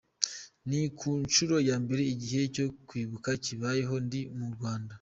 Ni ku nshuro ya mbere igihe cyo kwibuka kibayeho ndi mu Rwanda.